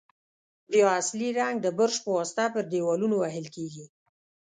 بیا اصلي رنګ د برش په واسطه پر دېوالونو وهل کیږي.